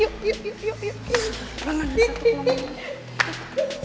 yuk yuk yuk